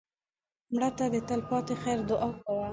مړه ته د تل پاتې خیر دعا کوه